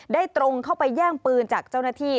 ตรงเข้าไปแย่งปืนจากเจ้าหน้าที่